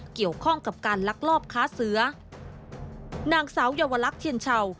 เกี่ยวข้องกับการลักลอบค้าเสือนางสาวเยาวลักษณ์เทียนเชา